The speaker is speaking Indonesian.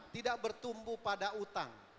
tidak bertumbuh pada utang